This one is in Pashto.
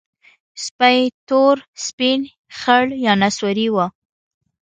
سپي تور، سپین، خړ یا نسواري وي.